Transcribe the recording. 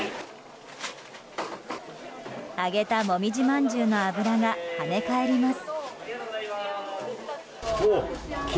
揚げた、もみじまんじゅうの油が跳ね返ります。